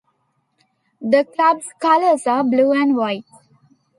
The club's colors are blue and white.